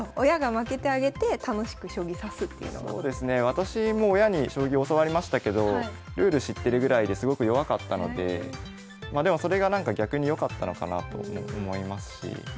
私も親に将棋教わりましたけどルール知ってるぐらいですごく弱かったのでまあでもそれがなんか逆に良かったのかなと思いますし。